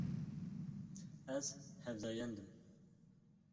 Ez hevzayend im.